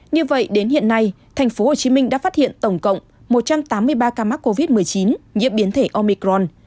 như vậy đến hiện nay tp hcm đã phát hiện tổng cộng một trăm tám mươi ba ca mắc covid một mươi chín nhiễm biến thể omicron